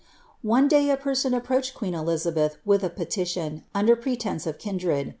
One day a person approached queen Elizabeth with a petition, under pretence of kindred.